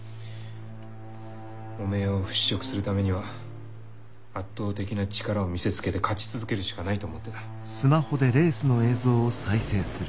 汚名を払拭するためには圧倒的な力を見せつけて勝ち続けるしかないと思ってた。